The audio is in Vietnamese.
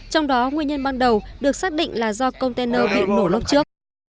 trong đó nguyên nhân ban đầu được xác định là do container bị nổ lốc trước